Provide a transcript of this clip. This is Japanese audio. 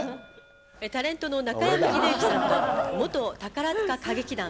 タレントの中山秀征さんと元宝塚歌劇団